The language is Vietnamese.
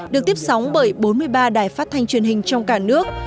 được tiếp sóng bởi bốn mươi ba đài phát thanh truyền hình trong cả nước